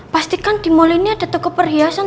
pasti kan di mall ini ada toko perhiasan